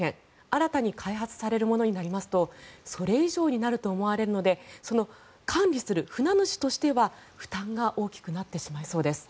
新たに開発されるものになりますとそれ以上になると思われるので管理する船主としては負担が大きくなってしまいそうです。